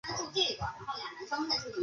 伊塔伊是巴西圣保罗州的一个市镇。